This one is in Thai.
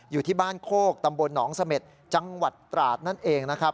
อยู่ที่บ้านโคกตำบลหนองเสม็ดจังหวัดตราดนั่นเองนะครับ